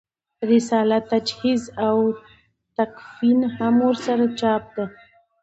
رساله تجهیز او تکفین هم ورسره چاپ ده.